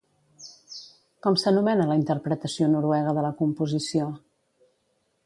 Com s'anomena la interpretació noruega de la composició?